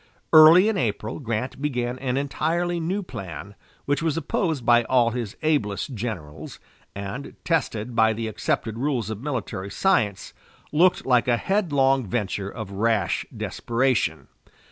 Early in April, Grant began an entirely new plan, which was opposed by all his ablest generals, and, tested by the accepted rules of military science, looked like a headlong venture of rash desperation.